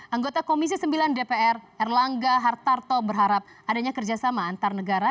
anggota komisi sembilan dpr erlangga hartarto berharap adanya kerjasama antar negara